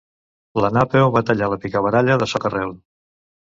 La Napeu va tallar la picabaralla de soca-rel.